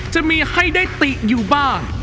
จะมีให้ได้ติอยู่บ้าง